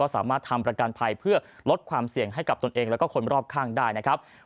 สามารถทำประกันภัยเพื่อลดความเสี่ยงให้กับตนเองแล้วก็คนรอบข้างได้นะครับ